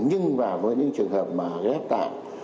nhưng với những trường hợp mà ghép tạng